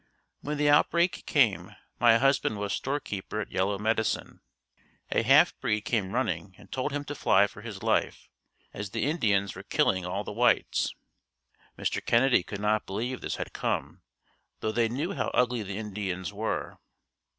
When the outbreak came, my husband was storekeeper at Yellow Medicine. A half breed came running and told him to fly for his life, as the Indians were killing all the whites. Mr. Kennedy could not believe this had come, though they knew how ugly the Indians were.